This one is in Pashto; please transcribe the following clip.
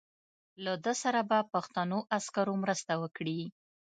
له ده سره به پښتنو عسکرو مرسته وکړي.